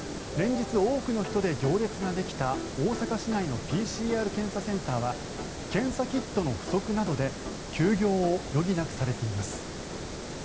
連日多くの人で行列ができた大阪市内のＰＣＲ検査センターでは検査キットの不足などで休業を余儀なくされています。